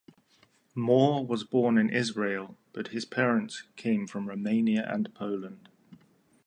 Mor was born in Israel but his parents came from Romania and Poland.